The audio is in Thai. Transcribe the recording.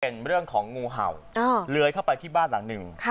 เป็นเรื่องของงูเห่าเลื้อยเข้าไปที่บ้านหลังหนึ่ง